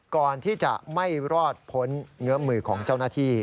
ก่อนที่จะไม่รอดพ้นเงื้อมือของเจ้าหน้าที่